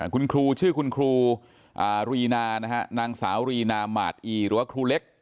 คุณครูชื่อคุณครูรีนานะฮะนางสาวรีนาหมาดอีหรือว่าครูเล็ก